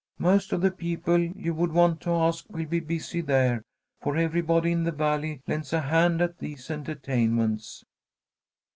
Most of the people you would want to ask will be busy there, for everybody in the Valley lends a hand at these entertainments."